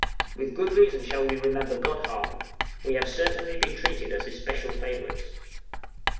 With good reason shall we remember Godhavn; we have certainly been treated as especial favorites.